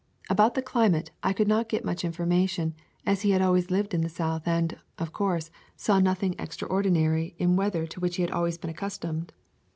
About the climate, I could not get much in formation, as he had always lived in the South and, of course, saw nothing extraordinary in { 111 J] A Thousand Mile Walk weather to which he had always been accus tomed.